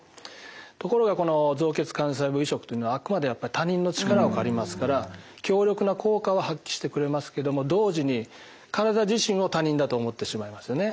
ところがこの造血幹細胞移植というのはあくまで他人の力を借りますから強力な効果は発揮してくれますけども同時に体自身を他人だと思ってしまいますよね。